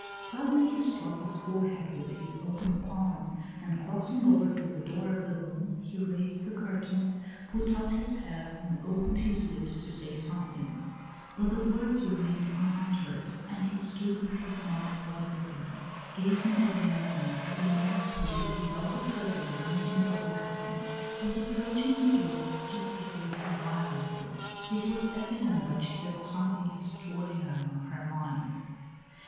Suddenly he struck his forehead with his open palm, and crossing over to the door of the room, he raised the curtain, put out his head, and opened his lips to say something; but the words remained unuttered, and he stood with his mouth wide open, gazing with amazement at the nurse who, without observing the movement of the curtain, was approaching the door, gesticulating violently; it was evident that she had something extraordinary on her mind.